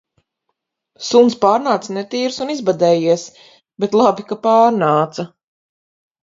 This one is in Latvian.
Suns pārnāca netīrs un izbadējies, bet labi, ka pārnāca